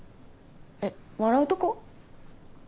えっ笑うとこ？